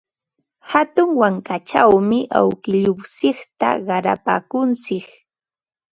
Hatun wankachawmi awkilluntsikta qarapaakuntsik.